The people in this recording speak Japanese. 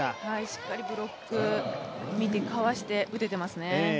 しっかりブロック見てかわして打ててますね。